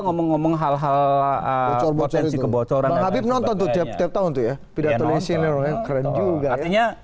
ngomong ngomong hal hal kebocoran habib nonton untuk tetap tahun itu ya tidak ada sini artinya